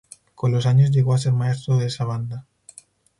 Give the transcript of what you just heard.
Con los años llegó a ser Maestro de esa banda.